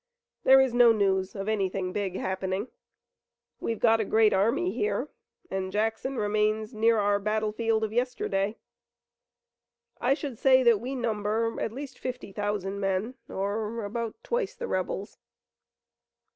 There is no news of anything big happenin'. We've got a great army here, and Jackson remains near our battlefield of yesterday. I should say that we number at least fifty thousand men, or about twice the rebels."